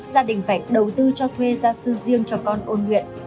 gia đình phải đầu tư cho thuê gia sư riêng cho con ôn nguyện